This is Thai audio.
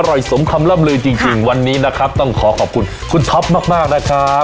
สมคำล่ำลือจริงวันนี้นะครับต้องขอขอบคุณคุณท็อปมากมากนะครับ